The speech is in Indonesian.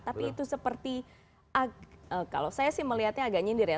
tapi itu seperti kalau saya sih melihatnya agak nyindir ya